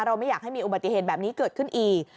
ไม่อยากให้มีอุบัติเหตุแบบนี้เกิดขึ้นอีก